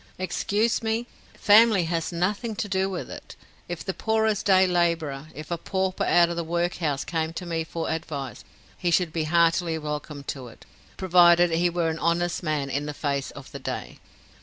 "Excuse me; family has nothing to do with it. If the poorest day laborer, if a pauper out of the workhouse came to me for advice, he should be heartily welcome to it, provided he were an honest man in the face of the day.